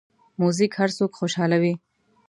موزیک هر څوک خوشحالوي.